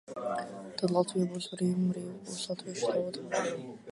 Tad Latvija būs brīva un brīva būs latviešu tauta.